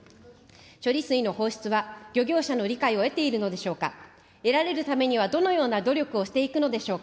処理水の放出は漁業者の理解を得ているのでしょうか。